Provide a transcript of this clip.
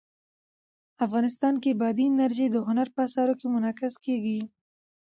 افغانستان کې بادي انرژي د هنر په اثار کې منعکس کېږي.